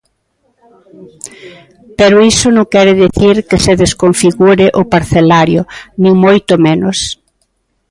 Pero iso non quere dicir que se desconfigure o parcelario, nin moito menos.